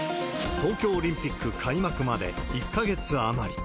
東京オリンピック開幕まで１か月余り。